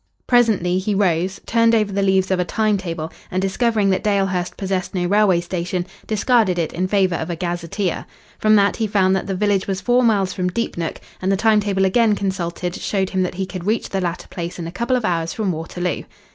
Presently he rose, turned over the leaves of a time table, and discovering that Dalehurst possessed no railway station, discarded it in favour of a gazetteer. From that he found that the village was four miles from Deepnook, and the time table again consulted showed him that he could reach the latter place in a couple of hours from Waterloo.